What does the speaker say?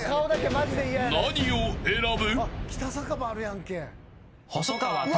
何を選ぶ。